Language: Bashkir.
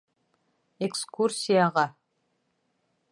— Экскурсияға!